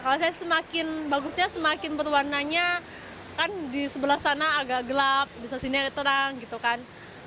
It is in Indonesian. kalau saya semakin bagusnya semakin perwarnanya kan di sebelah sana agak gelap di sebelah sini agak terang gitu kan